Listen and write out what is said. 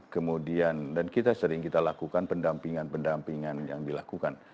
kemudian dan kita sering kita lakukan pendampingan pendampingan yang dilakukan